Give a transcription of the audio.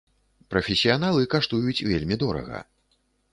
Прафесіяналы каштуюць вельмі дорага.